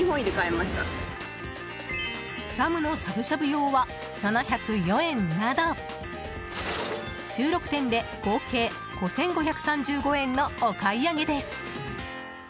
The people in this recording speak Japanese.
ラムのしゃぶしゃぶ用は７０４円など１６点で合計５５３５円のお買い上げです。